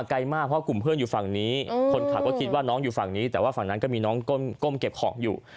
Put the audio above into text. ไกลมากเพราะกลุ่มเพื่อนอยู่ฝั่งนี้คนขับก็คิดว่าน้องอยู่ฝั่งนี้แต่ว่าฝั่งนั้นก็มีน้องก้มเก็บของอยู่